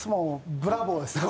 ブラボーですね